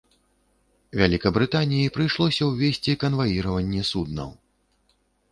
Вялікабрытаніі прыйшлося ўвесці канваіраванне суднаў.